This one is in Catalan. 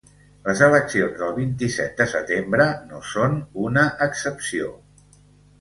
Les eleccions del vint-i-set de setembre no són una excepció.